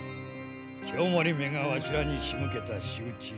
清盛めがわしらにしむけた仕打ち。